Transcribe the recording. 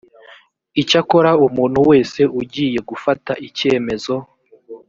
icyakora umuntu wese ugiye gufata icyemezo